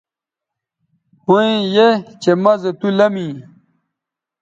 ھویں یھ چہء مَزو تُو لمی